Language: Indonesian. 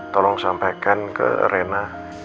tolong sampaikan ke rena